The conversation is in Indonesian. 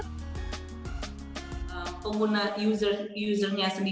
pengguna user usernya sendiri